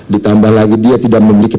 ditambah lagi dia tidak memiliki